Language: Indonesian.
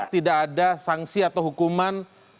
tidak ada sanksi atau hukuman